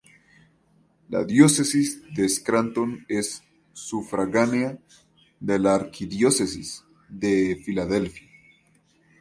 La Diócesis de Scranton es sufragánea de la Arquidiócesis de Filadelfia.